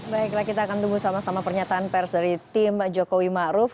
baiklah kita akan tunggu sama sama pernyataan pers dari tim jokowi ma'ruf